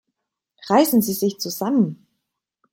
Reißen Sie sich zusammen!